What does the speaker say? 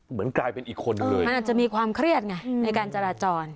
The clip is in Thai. เหมือนกลายเป็นอีกคนนึงเลยมันอาจจะมีความเครียดไงในการจราจร